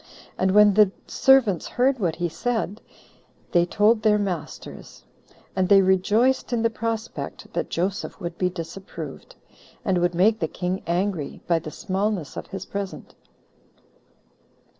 And when the servants heard what he said, they told their masters; and they rejoiced in the prospect that Joseph would be disapproved, and would make the king angry, by the smallness of his present.